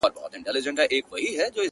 څوک په مال او دولت کله سړی کيږي,